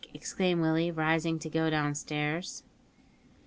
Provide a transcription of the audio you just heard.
exclaimed Willie, rising to go downstairs.